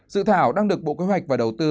dự thảo đang được bộ kế hoạch và đầu tư